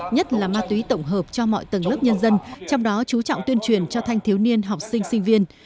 nhất là ma túy tổng hợp cho mọi tầng lớp nhân dân trong đó chú trọng tuyên truyền cho thanh thiếu niên học sinh sinh viên